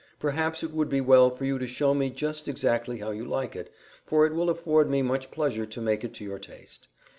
Perhaps it would be well for you to show me just exactly how you like it, for it will afford me much pleasure to make it to your taste.